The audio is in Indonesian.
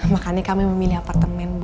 makanya kami memilih apartemen